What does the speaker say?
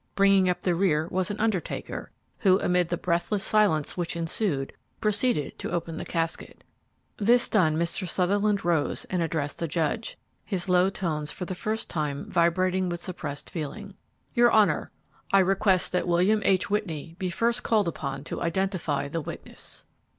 Bringing up the rear was an undertaker, who, amid the breathless silence which ensued, proceeded to open the casket. This done, Mr. Sutherland rose and addressed the judge, his low tones for the first time vibrating with suppressed feeling. "Your honor, I request that William H. Whitney be first called upon to identify the witness."